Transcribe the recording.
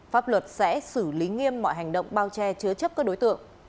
pháp luật sẽ xử lý nghiêm mọi hành động bao che chứa chấp các đối tượng